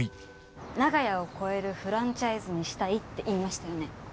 長屋を超えるフランチャイズにしたいって言いましたよね。